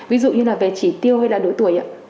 ví dụ như là về chỉ tiêu hay là độ tuổi